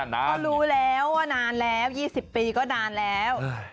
ก็รู้แล้วว่านานแล้ว๒๐ปีก็นานแล้ว